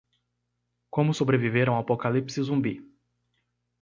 Como sobreviver a um apocalipse zumbi